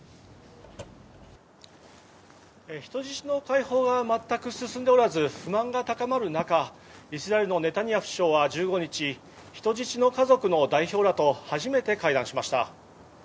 人質の解放は全く進んでおらず不満が高まる中イスラエルのネタニヤフ首相は１５日人質の家族の代表らと初めて会談しました。